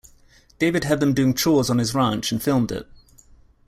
David had them doing chores on his ranch and filmed it.